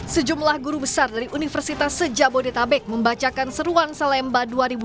sejumlah guru besar dari universitas sejabodetabek membacakan seruan salemba dua ribu dua puluh